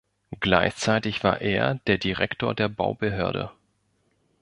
Gleichzeitig war er der Direktor der Baubehörde.